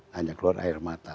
hanya keluar air mata